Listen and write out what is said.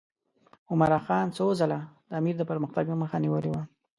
عمرا خان څو ځله د امیر د پرمختګ مخه نیولې وه.